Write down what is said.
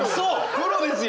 プロですよ！